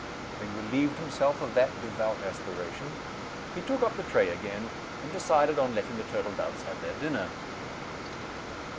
Having relieved himself of that devout aspiration, he took up the tray again, and decided on letting the turtle doves have their dinner.